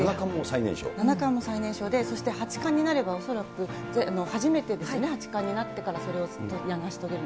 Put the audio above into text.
七冠も最年少で、そして八冠になれば恐らく初めてですよね、八冠になってからそれを成し遂げる。